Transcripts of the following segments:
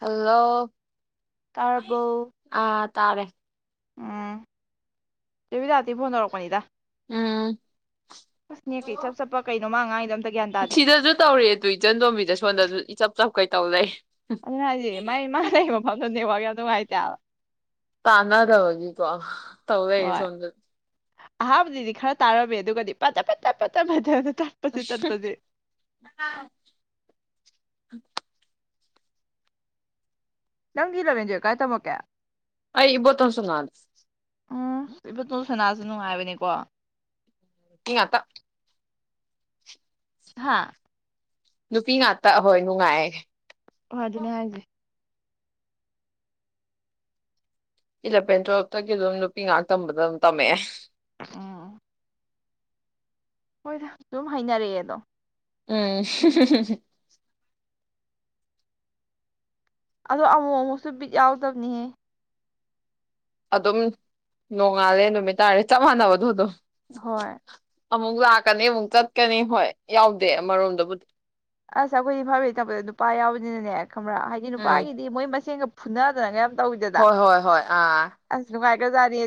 hello ꯇꯥꯔꯕꯣ ꯑꯥ ꯇꯥꯔꯦ ꯎꯝ ꯆꯦ ꯕꯤꯗ꯭ꯌꯥꯄꯇꯤ ꯐꯣꯟ ꯇꯧꯔꯛꯀꯄꯅꯤꯗ ꯎꯝ ꯑꯁ ꯅꯦꯠꯀ ꯏꯆꯞ ꯆꯞꯄ ꯀꯩ ꯃꯥ ꯉꯥꯡꯉꯤ ꯁꯤꯗꯁꯨ ꯇꯧꯔꯦ ꯑꯗꯨ ꯏꯆꯟ ꯇꯣꯝꯕꯤꯗ ꯁꯣꯝꯗꯁꯨ ꯏꯆꯞ ꯆꯞꯀꯩ ꯇꯧ ꯂꯩ ꯑꯗꯨꯅꯦ ꯍꯥꯏꯁꯦ ꯃꯥꯏ ꯃꯥ ꯂꯩ ꯃꯐꯝ ꯅꯦꯠ ꯋꯥꯔꯛ ꯌꯥꯝ ꯅꯨꯡꯉꯥꯏꯇꯦꯕ ꯇꯥꯟꯅꯗꯕꯒꯤꯀꯣ ꯇꯧ ꯂꯩꯔꯦ ꯍꯣꯏ ꯁꯣꯝꯗ ꯑꯍꯥꯟꯕꯗꯗꯤ ꯈꯔ ꯇꯥꯔꯝꯃꯦ ꯑꯗꯨꯒꯗꯤ ꯄꯇꯠ ꯄꯇꯠ ꯄꯇꯠ ꯄꯇꯠ ꯇꯠꯄꯁꯤ ꯇꯠꯄꯁꯤ ꯍꯨꯡ ꯅꯪꯗꯤ ꯏꯜꯂꯕꯦꯟ ꯇꯨꯌꯦꯜꯞ ꯀꯥꯏꯗ ꯇꯝꯃꯛꯀꯦ ꯑꯩ ꯏꯕꯣꯇꯣꯟꯁꯥꯅꯗ ꯎꯝ ꯏꯕꯣꯇꯣꯟ ꯁꯅꯥꯁꯨ ꯅꯨꯡꯉꯥꯏꯕꯅꯤꯀꯣ ꯅꯨꯄꯤ ꯉꯥꯛꯇ ꯍꯥꯥ ꯅꯨꯄꯤ ꯉꯥꯛꯇ ꯍꯣꯏ ꯅꯨꯡꯉꯥꯏꯌꯦ ꯍꯣꯏ ꯑꯗꯨꯅꯦ ꯍꯥꯏꯖꯦ ꯏꯂꯚꯦꯟ ꯇꯨꯋꯦꯜꯐꯇꯒꯤ ꯑꯗꯨꯝ ꯅꯨꯄꯤ ꯉꯥꯛ ꯇꯝꯕꯗ ꯑꯗꯨꯝ ꯇꯝꯃꯛꯑꯦ ꯎꯝ ꯍꯣꯏꯗ ꯑꯗꯨꯝ ꯍꯩꯅꯔꯛꯑꯦꯗꯣ ꯎꯝ ꯍꯨꯡ ꯍꯨꯡ ꯍꯨꯡ ꯑꯗꯣ ꯑꯃꯨꯛ ꯑꯃꯨꯛꯁꯨ ꯕꯤꯠ ꯌꯥꯎꯗꯕꯅꯤꯍꯦ ꯑꯗꯨꯝ ꯅꯣꯡꯉꯥꯜꯂꯦ ꯅꯨꯃꯤꯠ ꯇꯥꯔꯦ ꯆꯞ ꯃꯥꯟꯅꯕꯗꯣ ꯑꯗꯨꯝ ꯍꯣꯏ ꯑꯃꯨꯛ ꯂꯥꯛꯀꯅꯤ ꯑꯃꯨꯛ ꯆꯠꯀꯅꯤ ꯍꯣꯏ ꯌꯥꯎꯗꯦ ꯑꯃꯔꯣꯝꯗꯕꯨꯗꯤ ꯑꯁ ꯑꯩꯈꯣꯏ ꯏꯐꯥꯕꯩ ꯊꯄꯗ ꯅꯨꯄꯥ ꯌꯥꯎꯕꯅꯤꯅꯅꯦ ꯈꯪꯕ꯭ꯔꯥ ꯍꯥꯏꯗꯤ ꯎꯝ ꯅꯨꯄꯥꯒꯤꯗꯤ ꯃꯣꯏ ꯃꯁꯦꯟꯒ ꯐꯨꯅꯗꯅꯒ ꯌꯥꯝ ꯇꯧꯋꯤꯗꯅ ꯍꯣꯏ ꯍꯣꯏ ꯍꯣꯏ ꯑꯥ ꯒꯖꯥꯗꯤ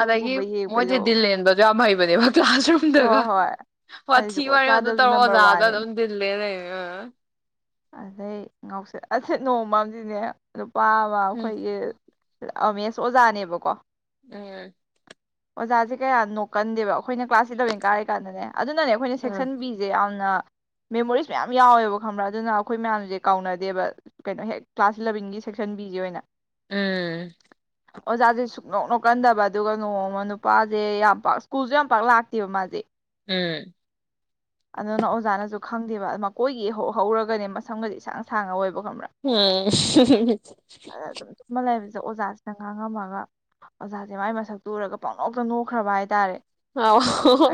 ꯑꯗꯒꯤ ꯃꯣꯏꯁꯦ ꯗꯤꯜꯂꯦꯟꯕꯁꯨ ꯌꯥꯝ ꯍꯩꯕꯅꯦꯕ ꯍꯣꯏ ꯀ꯭ꯂꯥꯁꯔꯨꯝꯗꯒ ꯍꯣꯏ ꯑꯩ ꯋꯥꯊꯤ ꯖꯨꯒꯣꯠ ꯋꯥꯔꯦꯡ ꯑꯗꯨꯝ ꯆꯥꯗꯕꯁꯨ ꯇꯧꯔꯥ ꯅꯝꯕꯔ ꯑꯣꯖꯥꯗ ꯋꯥꯟꯅꯦ ꯑꯗꯨꯝ ꯗꯤꯜꯂꯦꯟ ꯂꯩ ꯑꯥꯑ ꯑꯗꯩ ꯉꯥꯎꯁ ꯑꯁ ꯅꯣꯡꯃꯑꯃꯗꯤꯅꯦ ꯋꯥ ꯋꯥ ꯑꯩꯈꯣꯏꯒꯤ ꯑꯃꯦꯁ ꯑꯣꯖꯥꯅꯦꯕꯀꯣ ꯎꯝ ꯑꯣꯖꯥꯁꯦ ꯀꯥꯌꯥ ꯅꯣꯛꯀꯟꯗꯦꯕ ꯑꯩꯈꯣꯏꯅ ꯀ꯭ꯂꯥꯁ ꯑꯦꯂꯕꯦꯟ ꯀꯥꯔꯤꯀꯥꯟꯗꯅꯦ ꯑꯗꯨꯅꯅꯦ ꯑꯩꯈꯣꯏꯅ ꯎꯝ ꯁꯦꯛꯁꯟꯕꯤꯁꯦ ꯌꯥꯝ ꯃꯦꯃꯣꯔꯤꯁ ꯃꯌꯥꯝ ꯌꯥꯎꯋꯦꯕ ꯈꯪꯕ꯭ꯔꯥ ꯑꯗꯨꯅ ꯑꯩꯈꯣꯏ ꯃꯌꯥꯝꯁꯦ ꯀꯥꯎꯅꯗꯦꯕ ꯀꯩꯅꯣ ꯍꯦꯛ ꯀ꯭ꯂꯥꯁ ꯏꯂꯕꯦꯟꯒꯤ ꯁꯦꯛꯁꯟ ꯕꯤꯁꯦ ꯑꯣꯏꯅ ꯎꯝ ꯑꯣꯖꯥꯁꯦ ꯁꯨꯛꯅꯣꯛ ꯅꯣꯛꯀꯟꯗꯕ ꯑꯗꯨꯒ ꯅꯣꯡꯃ ꯅꯨꯄꯥꯁꯦ ꯌꯥꯝ ꯄꯥꯛ ꯁ꯭ꯀꯨꯜꯁꯨ ꯌꯥꯝ ꯄꯥꯛ ꯂꯥꯛꯇꯦꯕ ꯃꯥꯁꯦ ꯎꯝ ꯑꯗꯨꯅ ꯑꯣꯖꯥꯅꯁꯨ ꯈꯪꯗꯦꯕ ꯃꯈꯣꯏꯒꯥ ꯏꯍꯧ ꯍꯧꯔꯒꯅꯦ ꯃꯁꯝꯒꯁꯦ ꯏꯁꯥꯡ ꯁꯥꯡꯅ ꯑꯣꯏꯕ ꯈꯪꯕ꯭ꯔꯥ ꯑꯉ ꯍꯛ ꯍꯛ ꯑꯗꯨꯝ ꯇꯨꯝꯃ ꯂꯩꯕꯁꯦ ꯑꯗ ꯑꯣꯖꯥꯁꯤꯅ ꯉꯥꯡꯉꯝꯃꯒ ꯑꯣꯖꯥꯁꯦ ꯃꯥꯏ ꯃꯁꯛꯁꯦ ꯎꯔꯒ ꯄꯪꯅꯣꯛꯇ ꯅꯣꯛꯈ꯭ꯔꯕ ꯍꯥꯏꯇꯥꯔꯦ ꯑꯎ ꯍꯣ ꯍꯣ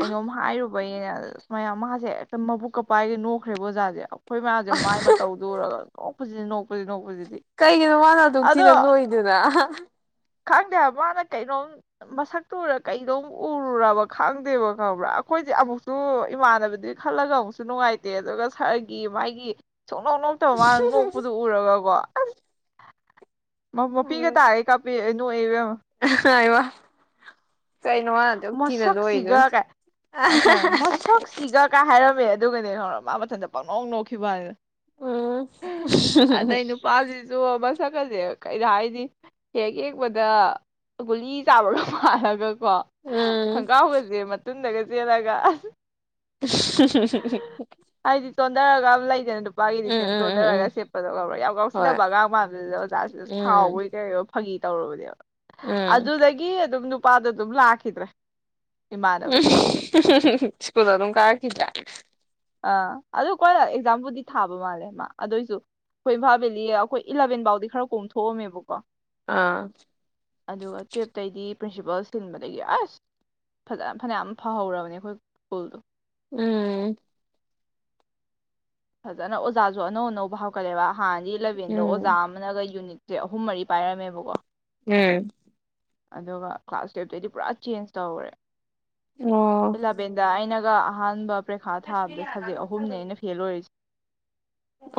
ꯀꯣꯌꯦꯜ ꯃꯌꯥꯝ ꯃꯥꯁꯦ ꯃꯕꯨꯛꯀ ꯄꯥꯏꯔꯒ ꯅꯣꯛꯈ꯭ꯔꯦꯕ ꯑꯣꯖꯥꯁꯦ ꯑꯩꯈꯣꯏ ꯃꯌꯥꯝꯁꯦ ꯃꯥꯏ ꯃꯇꯧꯗꯨ ꯎꯔꯒ ꯅꯣꯛꯄ ꯄꯨꯅꯣ [unintelligible] ꯀꯩꯒꯤꯅꯣ ꯃꯥꯅ ꯑꯗꯨꯛ ꯊꯤꯅ ꯅꯣꯏꯗꯨꯅ ꯈꯪꯗꯦ ꯍꯥꯏꯕ ꯃꯥꯅ ꯀꯩꯅꯣꯝ ꯃꯁꯛꯇꯨ ꯎꯔꯒ ꯀꯩꯅꯣꯝ ꯎꯔꯨꯔꯕ ꯈꯪꯗꯦꯕ ꯈꯪꯕ꯭ꯔꯥ ꯑꯩꯈꯣꯏꯁꯦ ꯑꯃꯨꯛꯁꯨ ꯏꯃꯥꯟꯅꯕꯗꯨꯒꯤ ꯈꯜꯂꯒ ꯑꯃꯨꯛꯁꯨ ꯅꯨꯡꯉꯥꯏꯇꯦ ꯑꯗꯨꯒ ꯁꯥꯔꯒꯤ ꯃꯥꯒꯤ ꯁꯨꯛꯅꯣꯛ ꯅꯣꯛꯇꯕ ꯃꯥꯅ ꯅꯣꯛꯄꯗꯨ ꯎꯔꯒꯀꯣ ꯑꯁ ꯃ ꯃꯄꯤꯒ ꯇꯥꯒꯩ ꯀꯞꯄꯦ ꯅꯣꯛꯏ ꯏꯕꯦꯃ ꯑꯍꯥꯍꯥ ꯍꯥꯏꯃ ꯀꯩꯅꯣ ꯃꯥꯅ ꯑꯗꯨꯛ ꯊꯤꯅ ꯂꯣꯏ ꯑꯗꯨꯅ ꯑꯍꯥꯍꯥ ꯁꯛ ꯁꯤꯒ ꯀꯥ ꯍꯥꯏꯔꯝꯃꯦ ꯑꯗꯨꯒꯅꯦ ꯈꯪꯉꯕꯔꯥ ꯃꯥ ꯃꯊꯟꯇ ꯄꯪꯅꯣꯛ ꯅꯣꯛꯈꯤꯕ ꯋꯥꯅꯤꯗ ꯎꯝ ꯎꯝ ꯑꯗꯩ ꯅꯨꯄꯥꯥꯁꯤꯁꯨꯨꯑꯕ ꯁꯛꯀꯁꯦ ꯀꯩꯩ ꯍꯥꯏꯅꯤ ꯍꯦꯛ ꯌꯦꯡꯕꯗ ꯒꯨꯂꯤ ꯆꯥꯕꯒ ꯃꯥꯜꯂꯒ ꯎꯝ ꯈꯣꯡꯒꯥꯎꯒꯁꯦ ꯃꯇꯨꯟꯗꯒ ꯑꯗꯨꯅꯒ ꯑꯥ [unintelligible] ꯎꯝ ꯍꯨ ꯍꯨ ꯒꯥ ꯍꯨ ꯂ ꯂꯩꯒꯅꯦ [unintelligible] ꯅꯨꯄꯥꯒꯤ ꯂꯤꯆꯦꯟ ꯎꯝ ꯆꯣꯟꯊꯔꯒ ꯁꯦꯠꯄꯗꯣ ꯈꯪꯕꯥꯔ ꯌꯥꯝ ꯍꯣꯏ ꯌꯥꯥꯎꯁꯤꯟꯅꯕ ꯑꯉꯥꯡ ꯃꯥꯟꯕꯗ ꯑꯣꯖꯥꯁꯤꯗ ꯎꯝ ꯁꯥꯎꯕꯣꯏ ꯀꯩꯕꯣꯏ ꯐꯥꯒꯤ ꯇꯧꯨꯔꯕꯅꯦꯕ ꯎꯝ ꯑꯗꯨꯗꯒꯤ ꯑꯗꯨꯝ ꯅꯨꯞ ꯅꯨꯄꯥ ꯗꯣ ꯑꯗꯨꯝ ꯂꯥꯛꯈꯤꯗ꯭ꯔꯦ ꯏꯃꯥꯟꯅꯕꯗꯣ ꯑꯍꯍꯍ ꯁ꯭ꯀꯨꯜ ꯑꯗꯨꯝ ꯀꯥꯔꯛꯈꯤꯗ꯭ꯔꯦ ꯑꯥ ꯑꯗꯨ ꯀꯣꯅ ꯑꯦꯛꯖꯥꯝꯕꯨꯗꯤ ꯊꯥꯕ ꯃꯥꯜꯂꯦ ꯃꯥ ꯑꯗꯨꯑꯣꯏꯁꯨ ꯑꯩꯈꯣꯏ ꯏꯝꯐꯥꯜ ꯕꯦꯂꯤ ꯑꯩꯈꯣꯏ ꯏꯂꯚꯦꯟ ꯐꯥꯎꯗꯤ ꯈꯔ ꯀꯣꯝꯊꯣꯛꯑꯝꯃꯦꯕꯀꯣ ꯀꯣ ꯑꯥ ꯑꯗꯨꯒ ꯇꯨꯌꯦꯞꯇꯩꯗꯤ ꯄ꯭ꯔꯤꯟꯁꯤꯄꯥꯜ ꯁꯤꯟꯕꯗꯒꯤ ꯑꯁ ꯐꯖꯅ ꯐꯅꯌꯥꯝ ꯐꯍꯧꯔꯕꯅꯦ ꯑꯩꯈꯣꯏ ꯁ꯭ꯀꯨꯜꯗꯣ ꯎꯝ ꯐꯖꯅ ꯑꯣꯖꯥꯁꯨ ꯑꯅꯧ ꯑꯅꯧꯕ ꯍꯥꯞꯀꯠꯂꯦꯕ ꯍꯥꯟꯅꯗꯤ ꯑꯦꯂꯕꯦꯟꯗꯣ ꯑꯣꯖꯥ ꯎꯝ ꯑꯃꯅꯒ ꯌꯨꯅꯤꯠ ꯁꯦ ꯑꯍꯨꯝ ꯃꯔꯤ ꯄꯥꯏꯔꯝꯃꯦꯕꯀꯣ ꯎꯝ ꯑꯗꯨꯒ ꯀ꯭ꯂꯥꯁ ꯇꯨꯌꯦꯞꯇꯗꯤ ꯄꯨꯔꯥ ꯆꯦꯟꯖ ꯇꯧꯔꯦ ꯑꯣ ꯏꯂꯕꯦꯟꯗ ꯑꯩꯅ ꯒꯥ ꯑꯍꯥꯟꯕ ꯄꯔꯤꯈꯥ ꯊꯥꯕꯗ ꯁꯕꯖꯦꯛ ꯑꯍꯨꯝꯅꯦ ꯑꯩꯅ ꯐꯦꯜ ꯑꯣꯏꯔꯤꯁꯦ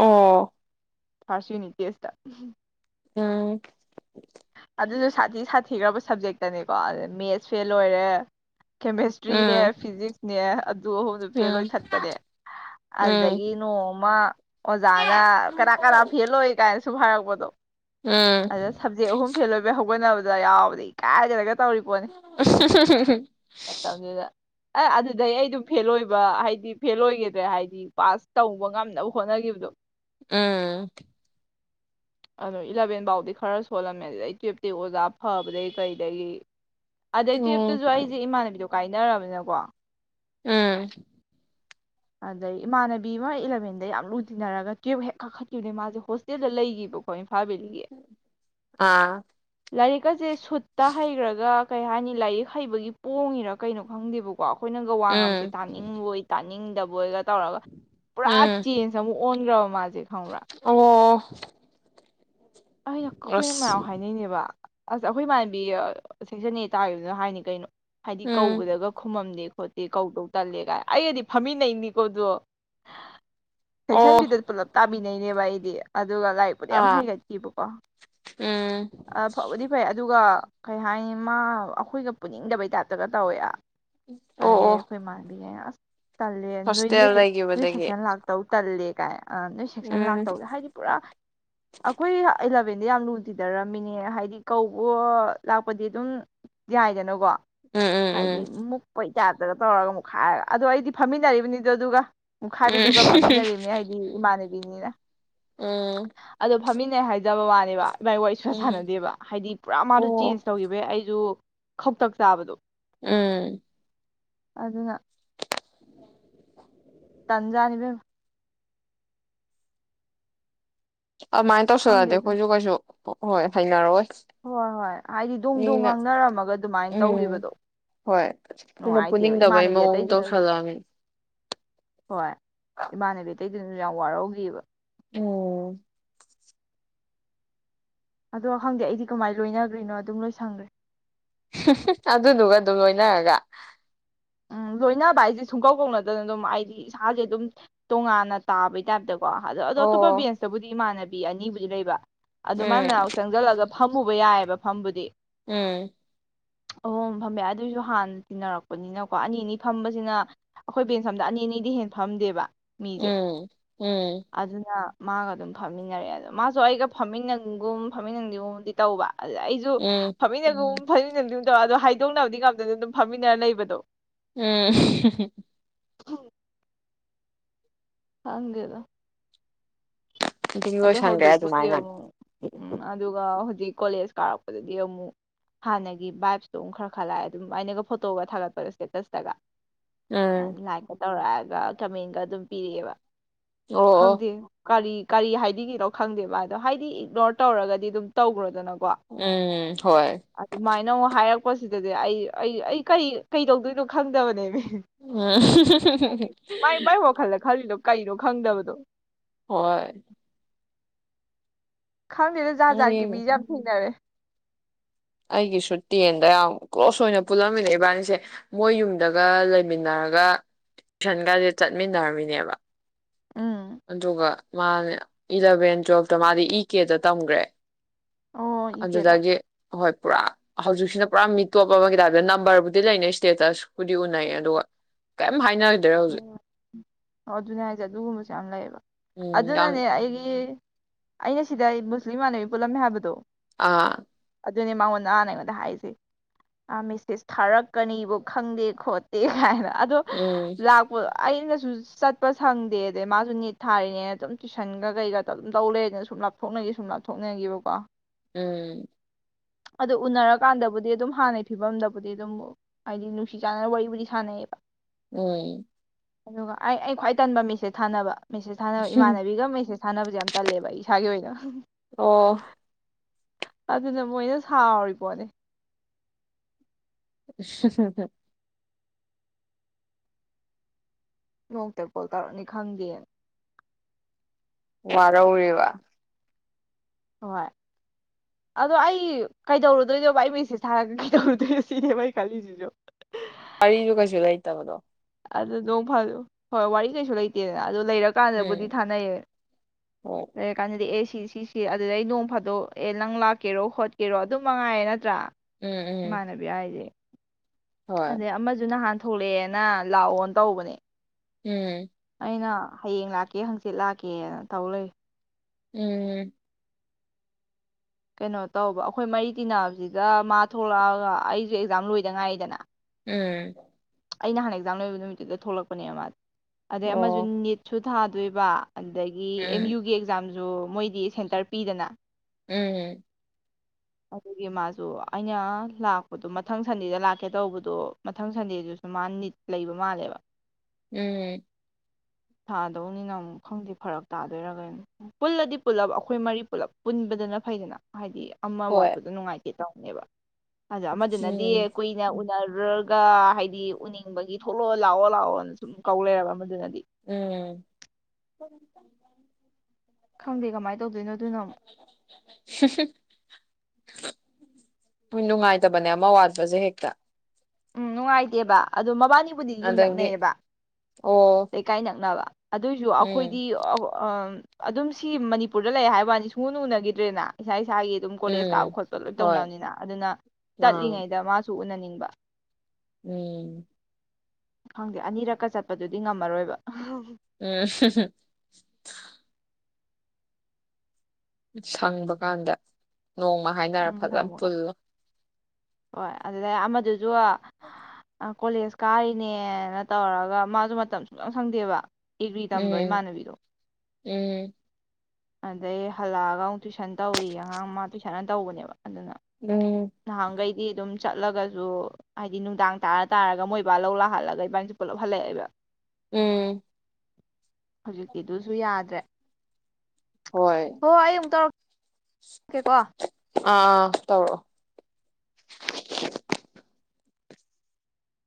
ꯑꯣ ꯐꯥꯔꯁ ꯎꯅꯤꯠ ꯇꯦꯁꯇ ꯎꯝ ꯑꯗꯨꯁꯨ ꯁꯥꯊꯤ ꯁꯥꯊꯤꯈ꯭ꯔꯕ ꯁꯕꯖꯦꯛꯇꯅꯤꯀꯣ ꯑꯗꯨ ꯃꯦꯠꯁ ꯐꯦꯜ ꯑꯣꯏꯔꯦ ꯀꯦꯃꯦꯁꯇ꯭ꯔꯤꯅꯦ ꯎꯝ ꯐꯤꯖꯤꯛꯁꯅꯦ ꯑꯗꯨ ꯑꯍꯨꯝꯗꯨ ꯎꯝ ꯐꯦꯜ ꯑꯣꯏ ꯊꯠꯄꯅꯦ ꯑꯗꯨꯗꯒꯤ ꯎꯝ ꯅꯣꯡꯃ ꯑꯣꯖꯥꯅ ꯀꯅꯥ ꯀꯅꯥꯥ ꯐꯦꯜ ꯑꯣꯏ ꯀꯥꯏꯅ ꯁꯨꯍꯥꯏꯔꯛꯄꯗꯣ ꯎꯝ ꯎꯝ ꯑꯗ ꯁꯞꯖꯦꯛ ꯑꯍꯨꯝ ꯐꯦꯜ ꯑꯣꯏꯕꯩ ꯍꯧꯒꯠꯅꯕ ꯗꯥ ꯌꯥꯎꯕꯗ ꯏꯀꯥꯢꯗꯅꯒ ꯑ ꯍ ꯍ ꯍ ꯍꯨꯝ [unintelligible] ꯑ ꯑꯗꯨꯗꯩ ꯑꯩꯗꯨ ꯐꯦꯜ ꯑꯣꯏꯕ ꯍꯥꯏꯗꯤ ꯐꯦꯜ ꯑꯣꯏꯒꯤꯗ꯭ꯔꯦ ꯍꯥꯏꯗꯤ ꯄꯥꯁ ꯇꯧꯕ ꯉꯝꯅꯕ ꯍꯣꯠꯅꯒꯤꯕꯗꯣ ꯎꯝ ꯑꯗꯣ ꯏꯂꯚꯦꯟ ꯐꯥꯎꯗꯤ ꯈꯔ ꯁꯣꯜꯂꯝꯃꯦ ꯑꯗꯨꯗꯩ ꯇꯨꯌꯦꯜꯞꯇꯤ ꯑꯣꯖꯥ ꯐꯕꯗꯒꯤ ꯀꯔꯤꯗꯒꯤ ꯑꯗꯩ ꯇꯨꯋꯦꯐ ꯎꯝ ꯇꯁꯨ ꯑꯩꯁꯦ ꯏꯃꯥꯅꯕꯤꯗꯣ ꯀꯥꯏꯅꯔꯝꯅꯤꯅꯀꯣ ꯎꯝ ꯑꯗꯩ ꯏꯃꯥꯟꯅꯕꯤ ꯑꯃ ꯏꯂꯚꯦꯟꯗ ꯌꯥꯝ ꯂꯨ ꯇꯤꯟꯅꯔꯒ ꯇꯨꯌꯦꯜꯞ ꯍꯦꯛ ꯀꯥꯈꯠꯈꯤꯕꯗꯅꯦ ꯃꯥꯁꯦ ꯍꯣꯁꯇꯦꯜꯗ ꯂꯩꯈꯤꯕꯀꯣ ꯏꯝꯐꯥꯜ ꯑꯥ ꯂꯥꯢꯔꯤꯛ ꯀ ꯁꯦ ꯁꯨꯠꯇ ꯍꯩꯔꯒ ꯀꯩ ꯍꯥꯏꯅꯤ ꯂꯥꯏꯔꯤꯛ ꯍꯩꯕꯒꯤ ꯄꯣꯡꯉꯤꯔꯥ ꯀꯩꯅꯣ ꯈꯪꯗꯦꯕꯀꯣ ꯀꯣ ꯑꯩꯈꯣꯏꯅꯒ ꯋꯥ ꯉꯥꯡꯕꯁꯦ ꯎꯝ ꯇꯥꯅꯤꯡꯕꯣꯏ ꯇꯥꯅꯤꯡ ꯅꯤꯡꯗꯕ ꯑꯣꯏꯒ ꯇꯧꯔꯒ ꯄꯨꯔꯥ ꯎꯝ ꯆꯦꯟꯖ ꯑꯃ ꯑꯣꯟꯒ꯭ꯔꯕ ꯑꯣ [inaudible] ꯑꯩꯅ ꯑꯩꯈꯣꯏꯅ ꯑꯁ ꯃꯌꯥꯝ ꯍꯥꯏꯅꯩꯅꯦꯕ ꯑꯁ ꯑꯩꯈꯣꯏ ꯏꯃꯥꯟꯕꯤ ꯁꯦꯛꯁꯟꯅ ꯇꯥꯈꯤꯕꯅ ꯍꯥꯏꯅꯤ ꯀꯩꯅꯣ ꯍꯥꯏꯗꯤ ꯎꯝ ꯀꯧꯕꯗꯒ ꯈꯨꯃꯝꯗꯦ ꯍꯣꯠꯇꯤ ꯀꯧꯗꯧ ꯇꯜꯂꯦꯒꯥꯏ ꯑꯩꯒꯗꯤ ꯐꯝꯃꯤꯟꯅꯩꯅꯤꯀꯣꯗꯣ ꯁꯦꯛꯁꯟꯕꯤꯗ ꯑꯣ ꯄꯨꯂꯞ ꯇꯥꯕꯤ ꯅꯩꯅꯦꯅꯕ ꯑꯩꯗꯤ ꯑꯗꯨꯒ ꯂꯥꯏꯔꯤꯛꯄꯨꯗꯤ ꯌꯥꯝ ꯑꯥ ꯍꯩ ꯎꯝ ꯑ ꯐꯥꯕꯨꯗꯤ ꯐꯩ ꯑꯗꯨ ꯑꯗꯨꯒ ꯀꯩ ꯍꯥꯏꯅꯤ ꯃꯥ ꯑꯩꯈꯣꯏꯒ ꯄꯨꯅꯤꯡꯗꯕꯩ ꯇꯥꯏꯞꯇꯒ ꯇꯧꯋꯦ ꯑꯣ ꯑꯗꯦ ꯑꯣ ꯑꯩꯈꯣꯏ ꯃꯥꯥꯡꯕꯤꯒ ꯇꯜꯂꯦ ꯅꯣꯏ ꯍꯣꯁꯇꯦꯜ ꯅꯣꯏ ꯅꯣꯏ ꯂꯩꯈꯤꯕꯗꯒꯤ ꯁꯦꯛꯁꯟ ꯂꯥꯛꯇꯧ ꯇꯜꯦ ꯀꯥꯏꯅ ꯅꯣꯏ ꯁꯦꯛꯁꯟ ꯎꯝ ꯂꯥꯛꯇꯧꯗꯦ ꯍꯥꯏꯗꯤ ꯄꯨꯔꯥ ꯑꯩ ꯑꯦꯂꯚꯦꯟꯗ ꯌꯥꯝ ꯂꯨ ꯇꯤꯅꯔꯝꯃꯤꯅꯦ ꯍꯥꯏꯗꯤ ꯀꯧꯕꯣ ꯂꯥꯛꯄꯗꯤ ꯑꯗꯨꯝ ꯌꯥꯏꯗꯅꯀꯣ ꯎꯝ ꯍꯥꯏꯗꯤ ꯎꯝ ꯃꯨꯛꯄꯩ ꯌꯥꯗ꯭ꯔꯒ ꯇꯧꯔꯒ ꯑꯃꯨꯛ ꯍꯥꯏꯔꯒ ꯑꯗꯣ ꯑꯩꯗꯤ ꯐꯝꯃꯤꯟꯅꯔꯤꯕꯅꯤꯗꯣ ꯑꯗꯨꯒ ꯎꯝ ꯃꯨꯛꯈꯥꯏꯕꯤꯗꯨꯒ ꯐꯝꯃꯤꯟꯅꯔꯤꯕꯅꯦ ꯍꯥꯏꯗꯤ ꯏꯃꯥꯟꯅꯕꯤꯅꯤꯅ ꯎꯝ ꯑꯗꯣ ꯐꯝꯃꯤꯟꯅꯩ ꯍꯥꯏꯖꯕ ꯋꯥꯅꯦꯕ ꯏꯕꯥꯏꯅꯤ ꯋꯥꯔꯤ ꯁꯨꯛ ꯁꯥ ꯎꯝ ꯁꯥꯟꯅꯗꯦꯕ ꯍꯥꯏꯗꯤ ꯄꯨꯔꯥ ꯃꯥꯗꯣ ꯑꯣ ꯆꯦꯟꯖ ꯇꯧꯈꯤꯕꯩ ꯑꯩꯁꯨ ꯈꯧꯇꯛ ꯆꯥꯕꯗꯣ ꯎꯝ ꯑꯗꯨꯅ ꯇꯟꯖꯥꯅꯤ ꯏꯕꯦꯝꯃ ꯑꯗꯨꯃꯥꯏꯅ ꯈꯪꯗꯦ ꯇꯧꯁꯛꯑꯗꯤ ꯑꯗꯨꯝ ꯑꯩꯈꯣꯏꯁꯨ ꯀꯩꯁꯨ ꯑꯣ ꯍꯣꯏ ꯍꯥꯏꯅꯔꯣꯏ ꯍꯣꯏ ꯍꯣꯏ ꯍꯥꯏꯗꯤ ꯗꯨꯡ ꯗꯨꯡ ꯉꯥꯡꯅꯔꯝꯃꯒ ꯑꯗꯨꯃꯥꯏꯅ ꯎꯝ ꯇꯧꯈꯤꯕꯗꯣ ꯍꯣꯏ ꯃꯤꯅ ꯅꯨꯡꯉꯥꯏꯇꯦꯕ ꯄꯨꯅꯤꯡꯗꯕꯩ ꯏꯃꯥꯟꯅꯕꯤ ꯃꯑꯣꯡ ꯑꯇꯩꯗꯨꯗ ꯇꯧꯁꯜꯂꯛꯑꯃꯤ ꯍꯣꯏ ꯏꯃꯅꯦꯕꯤ ꯑꯇꯩꯗꯨꯅ ꯌꯥꯝ ꯋꯥꯔꯧꯒꯤꯕ ꯎꯝ ꯑꯗꯣ ꯈꯪꯗꯦ ꯑꯩꯗꯤ ꯀꯃꯥꯏꯅ ꯂꯣꯏꯅꯒꯔꯤꯅꯣ ꯑꯗꯨꯝ ꯂꯣꯏꯁꯪꯒꯔꯦ ꯑꯗꯨꯗꯨꯒ ꯑꯗꯨꯝ ꯂꯣꯏꯅꯔꯒ ꯎꯝ ꯂꯣꯏꯅꯕ ꯍꯥꯏꯁꯦ ꯁꯨꯡꯀꯧ ꯀꯧꯅꯗꯅ ꯑꯗꯨꯝ ꯍꯥꯏꯗꯤ ꯏꯁꯥꯁꯦ ꯑꯗꯨꯝ ꯇꯣꯉꯥꯟꯅ ꯇꯥꯕꯩ ꯇꯥꯏꯞꯇ ꯑꯣ ꯑꯗꯣ ꯑꯇꯣꯞꯄ ꯕꯦꯟꯁꯇꯕꯨꯗꯤ ꯏꯃꯥꯟꯅ ꯕꯤ ꯑꯅꯤꯕꯨꯗꯤ ꯂꯩꯕ ꯑꯗꯨ ꯃꯥꯏ ꯎꯝ ꯃꯅꯥꯛ ꯆꯪꯁꯤꯜꯂꯒ ꯐꯝꯃꯨ ꯎꯕ ꯌꯥꯏꯑꯕ ꯐꯝꯕꯨꯗꯤ ꯎꯝ ꯑꯃꯃꯝ ꯐꯝꯃꯦ ꯑꯗꯨꯑꯣꯏꯁꯨ ꯍꯥꯟꯅ ꯇꯤꯟꯅꯔꯛꯄꯅꯤꯅ ꯀꯣ ꯑꯅꯤ ꯑꯅꯤ ꯐꯝꯕꯁꯤꯅ ꯑꯩꯈꯣꯏ ꯕꯦꯟꯁ ꯑꯃꯗ ꯑꯅꯤ ꯑꯅꯤꯗꯤ ꯍꯦꯟꯅ ꯐꯝꯗꯦꯕ ꯃꯤꯁꯦ ꯎꯝ ꯎꯝ ꯑꯗꯨꯅ ꯃꯥꯒ ꯑꯗꯨꯝ ꯐꯝꯃꯤꯟꯅꯔꯑꯦ ꯑꯗꯣ ꯃꯥꯁꯨ ꯑꯩꯒ ꯐꯝꯃꯤꯟꯅꯅꯤꯡꯒꯨꯝ ꯐꯝꯃꯤꯟꯅꯤꯡꯗꯒꯨꯝꯕꯨꯗꯤ ꯇꯧꯕ ꯑꯗ ꯑꯩꯁꯨ ꯎꯝ ꯐꯃꯤꯟꯅꯒꯨꯝ ꯐꯝꯃꯤꯟꯅ ꯑꯗꯨꯝ ꯇꯧ ꯑꯗꯣ ꯍꯥꯏꯗꯣꯛꯅꯕꯗꯤ ꯉꯝꯗꯅ ꯑꯗꯨꯝ ꯐꯝꯃꯤꯟꯅꯔ ꯂꯩꯕꯗꯣ ꯎꯝ ꯍꯝ ꯈꯪꯗꯦꯗ ꯑꯗꯨꯝ ꯑꯗꯨ ꯂꯣꯏꯁꯟꯒ꯭ꯔꯦ ꯍꯧꯖꯤꯛꯄꯨꯗꯤ ꯑꯗꯨꯃꯥꯏꯅ ꯑꯃꯨꯛ ꯎꯝ ꯑꯗꯨꯒ ꯍꯧ ꯑꯗꯒꯤ ꯀꯣꯂꯦꯖ ꯀꯥꯔꯛꯄꯗꯗꯤ ꯑꯃꯨꯛ ꯍꯥꯟꯅꯒꯤ ꯕꯥꯥꯏꯞꯇꯣ ꯑꯃꯨꯛ ꯈꯔ ꯈꯔ ꯂꯥꯛꯑꯦ ꯑꯗꯨꯝ ꯑꯩꯅꯒ ꯐꯣꯇꯣꯒ ꯊꯥꯒꯠꯄꯗ ꯁꯇꯦꯇꯁꯇꯒ ꯑꯥ ꯎꯝ ꯂꯥꯏꯀꯠ ꯇꯧꯔꯛꯑꯒ ꯀꯃꯦꯟꯒ ꯑꯗꯨꯝ ꯄꯤꯑꯦꯕ ꯑꯣ ꯑꯣ ꯈꯪꯗꯦꯕꯣ ꯀꯔꯤ ꯀꯔꯤ ꯍꯥꯏꯅꯤꯉꯤꯅꯣ ꯈꯪꯗꯦꯕ ꯃꯥꯢꯗꯣ ꯍꯥꯏꯗꯤ ꯏꯒꯅꯣꯔ ꯇꯧꯔꯒꯗꯤ ꯑꯗꯨꯝ ꯇꯧꯈ꯭ꯔꯣꯗꯅ ꯎꯝ ꯍꯣꯏ ꯑꯗꯨꯃꯥꯏꯅ ꯑꯃꯨꯛ ꯍꯥꯏꯔꯛ ꯄꯣꯠ ꯁꯤꯗꯗꯤ ꯑꯩ ꯑꯩ ꯀꯔꯤ ꯀꯩ ꯇꯧꯗꯣꯏꯅꯣ ꯈꯪꯗꯕꯅꯦꯃꯤ ꯑ ꯍ ꯍ ꯍ ꯍ ꯃꯥꯏ ꯃꯥꯏ ꯋꯥꯈꯜꯗ ꯈꯜꯂꯤꯗꯣ ꯀꯩꯅꯣ ꯈꯪꯗꯕꯗꯣ ꯍꯣꯏ ꯈꯪꯗꯦꯗ ꯖꯥꯠ ꯖꯥꯠꯀꯤ ꯑꯩ ꯃꯤꯁꯦ ꯌꯥꯝ ꯊꯦꯡꯅꯔꯦ ꯑꯩꯒꯤꯁꯨ ꯇꯦꯟꯗ ꯌꯥꯝ ꯀ꯭ꯂꯣꯁ ꯑꯣꯏꯅ ꯄꯨꯜꯂꯝꯃꯤꯅꯦ ꯏꯕꯥꯅꯤꯁꯦ ꯃꯣꯏ ꯌꯨꯝꯗꯒ ꯂꯩꯃꯤꯟꯅꯔꯒ ꯇꯨꯏꯁꯟꯒꯁꯦ ꯆꯠꯃꯤꯟꯅꯔꯝꯃꯤꯅꯦꯕ ꯎꯝ ꯑꯗꯨꯒ ꯃꯥꯅꯦ ꯏꯂꯚꯦꯟ ꯇꯨꯋꯦꯜꯐꯇ ꯃꯥꯗꯤ ꯏ ꯀꯦꯗ ꯇꯝꯒ꯭ꯔꯦ ꯑꯣ ꯏ ꯀꯦ ꯗ ꯍꯣꯢ ꯄꯨꯔꯥ ꯍꯧꯖꯤꯛꯁꯤꯅ ꯄꯨꯔꯥ ꯃꯤ ꯇꯣꯞ ꯑꯃꯒꯤ ꯍꯥꯏꯞꯗ ꯅꯝꯕꯔꯕꯨꯗꯤ ꯂꯩꯅꯩ ꯏꯁꯇꯦꯇꯁꯕꯨꯨꯗꯤ ꯎꯅꯩ ꯑꯗꯨꯒ ꯀꯩꯝ ꯍꯥꯏꯅ ꯑꯣ ꯑꯣ ꯑꯗꯨꯅꯦ ꯍꯥꯏꯁꯦ ꯑꯗꯨꯒꯨꯝꯕꯁꯨ ꯌꯥꯝ ꯂꯩꯌꯦꯕ ꯎꯝ ꯌꯥꯝ ꯑꯗꯨꯅꯅꯦ ꯑꯩꯒꯤ ꯑꯩꯅ ꯁꯤꯗ ꯃꯨꯁꯂꯤꯝ ꯏꯃꯥꯟꯅꯕꯤ ꯄꯨꯜꯂꯝꯃꯦ ꯍꯥꯏꯕꯗꯣ ꯑꯥ ꯑꯗꯨꯅꯦ ꯃꯉꯣꯟ ꯅ ꯑꯩꯉꯣꯟꯗ ꯍꯥꯏꯁꯦ ꯑ ꯃꯦꯁꯦꯁ ꯊꯥꯔꯛꯀꯅꯤꯕꯨ ꯈꯪꯗꯦ ꯈꯣꯠꯇꯦ ꯀꯥꯏꯅ ꯑꯗꯣ ꯎꯝ ꯑꯩꯅꯁꯨ ꯆꯠꯄ ꯁꯪꯗꯦ ꯑꯗꯩ ꯃꯥꯁꯨ ꯅꯤꯠ ꯊꯥꯔꯤꯅꯦꯅ ꯑꯗꯨꯝ ꯇꯨꯏꯁꯟꯒ ꯀꯩꯒꯇ ꯑꯗꯨꯝ ꯇꯧ ꯂꯩꯔꯦꯗꯅ ꯁꯨꯝ ꯂꯥꯞꯊꯣꯛꯅꯈꯤ ꯁꯨꯝ ꯂꯥꯞꯊꯣꯛꯅꯈꯤꯕꯀꯣ ꯎꯝ ꯑꯗꯨ ꯎꯅꯔꯀꯥꯟꯗꯕꯨꯗꯤ ꯑꯗꯨꯝ ꯍꯥꯟꯅꯒꯤ ꯐꯤꯕꯝꯗꯕꯨꯗꯤ ꯑꯗꯨꯝ ꯍꯥꯏꯗꯤ ꯅꯨꯡꯁꯤ ꯆꯥꯟꯅꯅ ꯋꯥꯔꯤꯔꯤꯕꯨꯗꯤ ꯁꯥꯟꯅꯩꯌꯦꯕ ꯎꯝ ꯑꯗꯨꯒ ꯑꯩ ꯑꯩ ꯈ꯭ꯋꯥꯏ ꯇꯟꯕ ꯃꯦꯁꯦꯁ ꯊꯥꯅꯕ ꯃꯦꯁꯦꯖ ꯊꯥꯅꯕ ꯏꯃꯥꯟꯅꯕꯤꯒ ꯃꯦꯁꯦꯖ ꯊꯥꯅꯕꯁꯦ ꯌꯥꯝ ꯇꯜꯂꯦꯕ ꯏꯁꯥꯒꯤ ꯑꯣꯏꯅ [inaudible] ꯑꯣ ꯑꯗꯨꯅ ꯃꯣꯏꯅ ꯁꯥꯎꯔꯤ ꯄꯣꯠꯅꯤ [unintelligible] ꯅꯣꯡꯇ ꯀꯣꯜ ꯇꯧꯔꯛꯅꯤ ꯈꯪꯗꯦꯅ ꯋꯥꯔꯧꯔꯤꯕ ꯍꯣꯏ ꯑꯗꯣ ꯑꯩ ꯀꯩꯗꯧꯔꯨꯗꯣꯏꯗꯕ ꯑꯩ ꯃꯦꯁꯦꯁ ꯊꯥꯔꯒ ꯀꯩꯗꯧꯔꯨꯗꯣꯏꯅꯣ ꯁꯤꯅꯦꯕ ꯑꯩ ꯈꯜꯂꯤꯁꯤꯁꯨ ꯋꯥꯔꯤꯁꯨ ꯀꯩꯁꯨ ꯂꯩꯇꯕꯗꯣ ꯑꯗꯨ ꯅꯣꯡ ꯐꯥꯗꯣꯛ ꯍꯣꯏ ꯋꯥꯔꯤ ꯀꯩꯁꯨ ꯂꯩꯇꯦꯗꯅ ꯂꯩꯔ ꯀꯥꯟꯗꯕꯨꯗꯤ ꯎꯝ ꯊꯥꯅꯩꯌꯦ ꯍꯣꯏ ꯂꯩꯔ ꯀꯥꯟꯗꯗꯤ ꯑꯦ ꯁꯤ ꯁꯤꯁꯤ ꯑꯗꯨꯗꯩ ꯅꯣꯡ ꯐꯥꯗꯣꯛ ꯑꯦ ꯅꯪ ꯂꯥꯛꯀꯦꯔꯣ ꯈꯣꯠꯀꯦꯔꯣ ꯑꯗꯨꯝ ꯃꯉꯥꯏꯔꯦ ꯅꯠꯇ꯭ꯔꯥ ꯎꯝ ꯎꯝ ꯏꯃꯥꯟꯅꯕꯤ ꯍꯥꯏꯖꯦ ꯍꯣꯏ ꯑꯗ ꯑꯃꯁꯨ ꯅꯍꯥꯟ ꯊꯣꯛꯂꯛꯑꯦꯅ ꯂꯥꯛꯑꯣꯅ ꯇꯧꯕꯅꯦ ꯎꯝ ꯑꯩꯅ ꯍꯌꯦꯡ ꯂꯥꯛꯀꯦ ꯍꯪꯆꯤꯠ ꯂꯥꯛꯀꯦꯅ ꯇꯧ ꯂꯩ ꯎꯝ ꯀꯩꯅꯣ ꯇꯧꯕ ꯑꯩꯈꯣꯏ ꯃꯔꯤ ꯇꯤꯟꯅꯕꯁꯤꯗ ꯃꯥ ꯊꯣꯛꯂꯛꯑꯒ ꯑꯩꯁꯦ ꯑꯦꯛꯖꯥꯝ ꯂꯣꯏꯗ ꯉꯥꯏꯔꯤꯗꯅ ꯎꯝ ꯑꯩꯅ ꯅꯍꯥꯟ ꯑꯦꯛꯖꯥꯡ ꯂꯣꯏꯕ ꯅꯨꯃꯤꯠꯇꯨꯗ ꯊꯣꯛꯂꯛꯄꯅꯦ ꯃꯥꯁꯦ ꯑꯗꯩ ꯑꯃꯁꯨ ꯑꯣ ꯅꯤꯠ ꯁꯨ ꯊꯥꯗꯣꯏꯕ ꯑꯗꯒꯤ ꯑꯦꯝ ꯎꯝ ꯌꯨꯒꯤ ꯑꯦꯛꯖꯥꯝ ꯑꯗꯨ ꯃꯣꯏꯗꯤ ꯁꯦꯟꯇꯔ ꯄꯤꯗꯅ ꯎꯝꯝ ꯑꯗꯨꯒꯤ ꯃꯥꯁꯨ ꯑꯩꯅ ꯂꯥꯛꯄꯗꯣ ꯃꯊꯪ ꯁꯟꯗꯦꯗ ꯂꯥꯛꯀꯦ ꯇꯧꯕꯗꯣ ꯃꯊꯪ ꯁꯟꯗꯦꯗꯨꯁꯨ ꯃꯥ ꯅꯤꯠ ꯂꯩꯕ ꯃꯥꯜꯂꯦꯕ ꯎꯝ ꯁꯥꯗꯧꯅꯤꯅ ꯑꯃꯨꯛ ꯈꯪꯗꯦ ꯐꯔꯛ ꯇꯥꯗꯣꯏꯔꯒ ꯀꯩꯅꯣ ꯄꯨꯜꯂꯗꯤ ꯄꯨꯜꯂꯞ ꯑꯩꯈꯣꯏ ꯃꯔꯤ ꯄꯨꯂꯞ ꯄꯨꯟꯕꯗꯅ ꯐꯩꯗꯅ ꯍꯥꯏꯗꯤ ꯑꯃ ꯍꯣꯏ ꯋꯥꯠꯄꯗꯣ ꯅꯨꯡꯉꯥꯏꯇꯦ ꯇꯧꯅꯦꯕ ꯑꯗꯣ ꯑꯃꯗꯨꯅꯗꯤ ꯎꯝ ꯀꯨꯏꯅ ꯎꯟ ꯔꯒ ꯍꯥꯏꯗꯤ ꯎꯅꯤꯡꯕꯒꯤ ꯊꯣꯛꯂꯛꯑꯣ ꯂꯥꯛꯑꯣ ꯂꯥꯛꯑꯣꯅ ꯁꯨꯝ ꯀꯧ ꯂꯩꯕ ꯑꯃꯗꯨꯅꯗꯤ ꯎꯝ ꯍꯝ ꯍꯝ ꯈꯪꯗꯦ ꯀꯃꯥꯏꯅ ꯇꯧꯗꯣꯏꯅꯣ ꯑꯗꯨꯅ ꯑꯃꯨꯛ ꯍꯣꯏ ꯅꯨꯡꯉꯥꯏꯇꯕꯅꯦ ꯑꯃ ꯋꯥꯠꯄꯁꯦ ꯍꯦꯛꯇ ꯎꯝ ꯅꯨꯡꯉꯥꯏꯇꯦꯕ ꯑꯗꯣ ꯃꯕꯥꯅꯤ ꯑꯩꯕꯨꯗꯤ ꯌꯨꯝ ꯑꯗꯒꯤ ꯅꯛꯅꯩꯌꯦꯕ ꯑꯣ ꯂꯩꯀꯥꯏ ꯅꯛꯅꯕ ꯑꯗꯨꯏꯁꯨ ꯎꯝ ꯑꯩꯈꯣꯏꯗꯤ ꯑ ꯑ ꯑꯗꯨꯝ ꯁꯤ ꯃꯅꯤꯄꯨꯔꯗ ꯂꯩ ꯍꯥꯏꯕꯋꯥꯅꯤ ꯁꯨꯡꯎ ꯎꯅꯈꯤꯗ꯭ꯔꯦꯅ ꯏꯁꯥ ꯏꯁꯥꯒꯤ ꯑꯗꯨꯝ ꯀꯣꯂꯦꯖ ꯀꯥꯕ ꯎꯝ ꯈꯣꯠꯄ ꯂꯣꯏ ꯍꯣꯏ ꯇꯧꯅꯕꯅꯤꯅ ꯑꯗꯨꯅ ꯑꯥ ꯆꯠꯂꯤꯉꯩꯗ ꯃꯥꯁꯨ ꯎꯅꯅꯤꯡꯉ ꯕꯥ ꯎꯝ ꯈꯪꯗꯦ ꯑꯅꯤꯔꯛꯀ ꯆꯠꯄꯗꯨꯗꯤ ꯉꯝꯃꯔꯣꯏꯕ ꯎꯝ ꯁꯪꯕ ꯀꯥꯟꯗ ꯅꯣꯡꯃ ꯍꯥꯏꯅꯔ ꯎꯝ ꯐꯖꯅ ꯈꯪꯕꯒ ꯄꯨꯜꯂꯣ ꯍꯣꯏ ꯑꯗꯨꯗꯩ ꯑꯃꯗꯨꯁꯨ ꯀꯣꯂꯦꯖ ꯀꯥꯔꯤꯅꯦꯅ ꯇꯧꯔꯒ ꯃꯥꯁꯨ ꯃꯇꯝ ꯁꯨꯡꯁꯪ ꯁꯪꯗꯦꯕ ꯑꯦꯒ꯭ꯔꯤ ꯇꯝꯕꯩ ꯎꯝ ꯏꯃꯥꯅꯕꯤꯗꯣ ꯎꯝ ꯑꯗꯩ ꯍꯜꯂꯛꯑꯒ ꯑꯃꯨꯛ ꯇꯨꯏꯁꯟ ꯇꯧꯏ ꯑꯉꯥꯡ ꯃꯥ ꯇꯨꯏꯁꯟ ꯇꯧꯕꯅꯦꯕ ꯑꯗꯨꯅ ꯎꯝ ꯏ ꯑꯗꯨꯝ ꯆꯠꯂꯒꯁꯨ ꯍꯥꯏꯗꯤ ꯅꯨꯡꯗꯥꯡ ꯇꯥꯔ ꯇꯥꯔꯒ ꯃꯣꯏ ꯕꯥ ꯂꯧ ꯂꯥꯛꯍꯜꯂꯒ ꯏꯕꯥꯅꯤꯁꯦ ꯄꯨꯂꯞ ꯍꯜꯂꯛꯑꯦꯕ ꯎꯝ ꯍꯧꯖꯤꯛꯀꯤꯗꯨꯁꯨ ꯌꯥꯗ꯭ꯔꯦ ꯍꯣꯏ ꯍꯣ ꯑꯩ ꯑꯃꯨꯛ ꯇꯧꯔꯛ ꯀꯦꯀꯣ ꯑꯥ ꯑꯥ ꯇꯧꯔꯛꯑꯣ